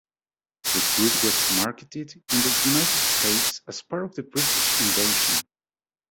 The group was marketed in the United States as part of the British Invasion.